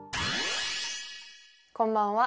こんばんは。